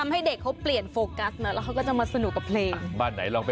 อะพอเปิดเพลง